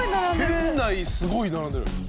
店内すごい並んでる。